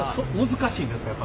難しいんですか？